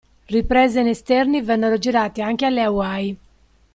Riprese in esterni vennero girate anche alle Hawaii.